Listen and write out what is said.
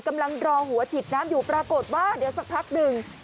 กำลังรอหัวฉีดน้ำอยู่ปรากฏว่าเดี๋ยวสักพักหนึ่ง